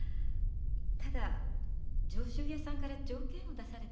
ただ上州屋さんから条件を出されたの。